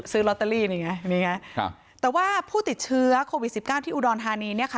ซื้อลอตเตอรี่นี่ไงแต่ว่าผู้ติดเชื้อโควิด๑๙ที่อุดรฮานี